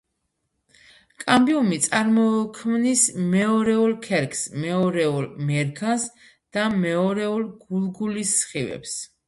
კამბიუმი წარმოქმნის მეორეულ ქერქს, მეორეულ მერქანს და მეორეულ გულგულის სხივებს.